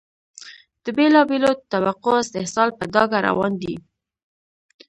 د بېلا بېلو طبقو استحصال په ډاګه روان دی.